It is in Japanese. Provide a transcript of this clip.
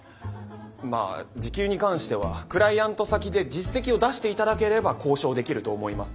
まあ時給に関してはクライアント先で実績を出して頂ければ交渉できると思います。